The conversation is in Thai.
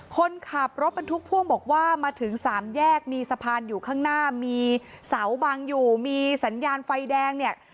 คนขับรถบรรทุกพ่วงบอกว่ามาถึงสามแยกมีสะพานอยู่ข้างหน้ามีเสาบังอยู่มีสัญญาณไฟแดงเนี่ย